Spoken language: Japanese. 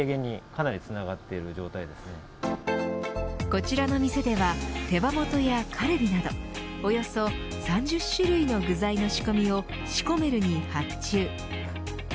こちらの店では手羽元やカルビなどおよそ３０種類の具材の仕込みをシコメルに発注。